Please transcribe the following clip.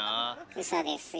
うそですよ。